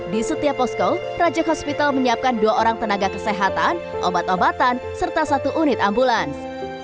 di setiap posko rajak hospital menyiapkan dua orang tenaga kesehatan obat obatan serta satu unit ambulans